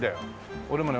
俺もね